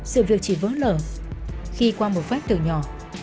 sự việc chỉ vỡ lở khi qua một phép từ nhỏ